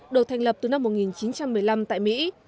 được thành lập từ năm một nghìn chín trăm một mươi năm tại mỹ